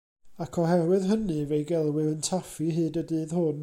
Ac oherwydd hynny, fe'i gelwir yn Taffi hyd y dydd hwn.